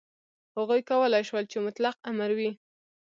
هغوی کولای شول چې مطلق امر وي.